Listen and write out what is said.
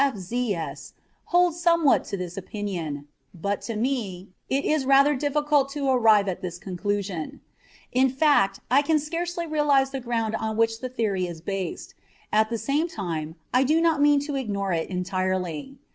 S., F.Z.S., holds somewhat to this opinion; but, to me, it is rather difficult to arrive at this conclusion. In fact, I can scarcely realise the ground on which the theory is based at the same time, I do not mean to ignore it entirely.